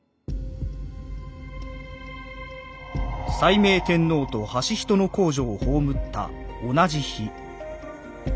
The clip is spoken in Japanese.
「斉明天皇と間人皇女を葬った同じ日。